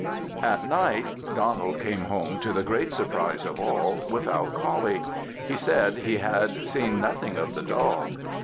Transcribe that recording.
At night, Donald came home to the great surprise of all, without Coullie; he said he had seen nothing of the dog.